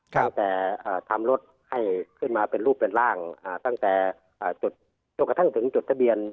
ตั้งแต่ทำรถให้ขึ้นมาเป็นรูปเป็นร่างตั้งแต่จุดจนกระทั่งถึงจุดทะเบียน